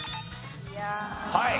はい。